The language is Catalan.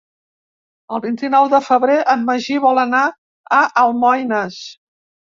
El vint-i-nou de febrer en Magí vol anar a Almoines.